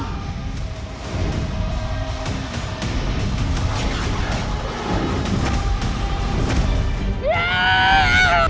aku pasti akan bijak akanmu